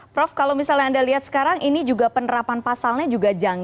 prof kalau misalnya anda lihat sekarang ini juga penerapan pasalnya juga